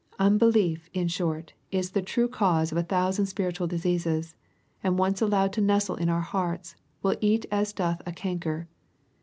Unbe lief, in short, is the true cause of a thousand spiritual diseases, and once allowed to nestle in our hearts, will eat as doth a canker.